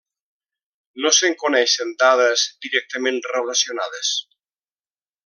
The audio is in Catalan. No se'n coneixen dades directament relacionades.